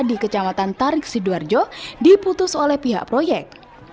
di kecamatan tarik sidoarjo diputus oleh pihak proyek